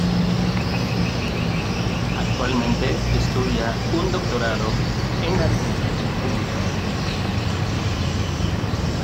Actualmente estudia un doctorado en Administración Pública.